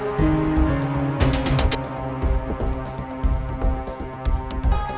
area harga bulan